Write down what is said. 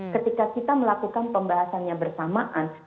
ketika kita melakukan pembahasannya bersamaan